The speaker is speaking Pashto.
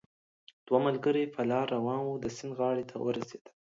دوه ملګري په لاره روان وو، د سیند غاړې ته ورسېدل